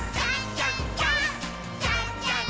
じゃんじゃん！